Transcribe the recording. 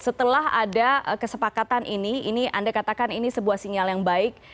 setelah ada kesepakatan ini ini anda katakan ini sebuah sinyal yang baik